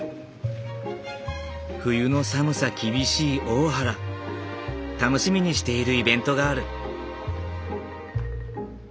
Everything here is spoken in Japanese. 冬の寒さ厳しい大原楽しみにしているイベントがある。